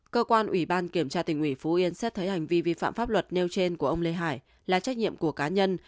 cơ quan ủy ban kiểm tra tỉnh ủy phú yên xét thấy hành vi vi phạm pháp luật nêu trên của ông lê hải là trách nhiệm của cá nhân